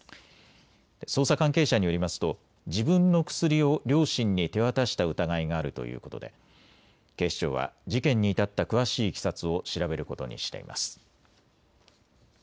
捜査関係者によりますと自分の薬を両親に手渡した疑いがあるということで警視庁は事件に至った詳しいいきさつを調べることにしています。